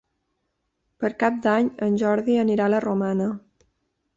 Per Cap d'Any en Jordi anirà a la Romana.